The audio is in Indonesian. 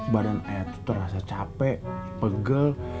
badan ayah tuh terasa capek pegel